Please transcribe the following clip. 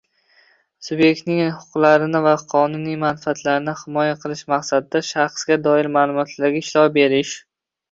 Subyektning huquqlarini va qonuniy manfaatlarini himoya qilish maqsadida shaxsga doir ma’lumotlarga ishlov berish